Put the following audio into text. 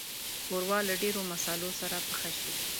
ښوروا له ډېرو مصالحو سره پخه شي.